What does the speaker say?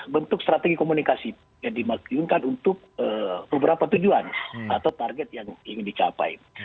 bentuk strategi komunikasi yang dimakyunkan untuk beberapa tujuan atau target yang ingin dicapai